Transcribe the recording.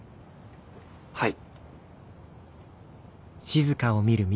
はい。